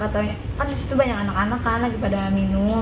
kan disitu banyak anak anak lagi pada minum